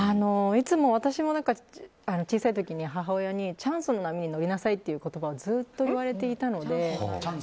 いつも私も、小さい時に母親にチャンスの波に乗りなさいって言葉をずっと言われていたので。